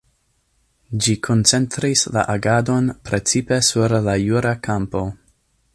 Ĝi koncentris la agadon precipe sur la jura kampo.